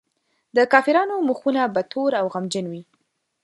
د کافرانو مخونه به تور او غمجن وي.